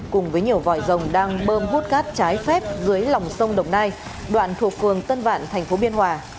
cùng với nhiều vòi rồng đang bơm hút cát trái phép dưới lòng sông đồng nai đoạn thuộc phường tân vạn thành phố biên hòa